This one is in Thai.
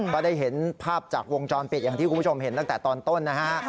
ก็ได้เห็นภาพจากวงจรปิดอย่างที่คุณผู้ชมเห็นตั้งแต่ตอนต้นนะฮะ